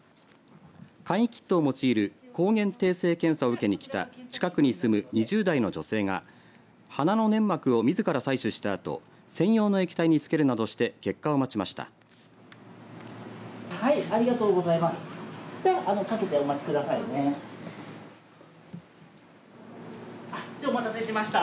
簡易キットを用いる抗原定性検査を受けに来た近くに住む２０代の女性が鼻の粘膜をみずから採取したあと専用の液体につけるなどして結果を待ちました。